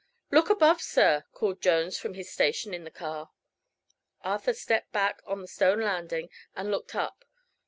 "Look above, sir," called Jones from his station in the car. Arthur stepped back on the stone landing and looked up.